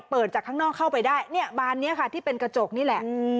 เปิดจากข้างนอกเข้าไปได้เนี่ยบานนี้ค่ะที่เป็นกระจกนี่แหละ